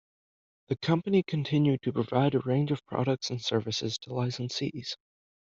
The company continued to provide a range of products and services to licensees.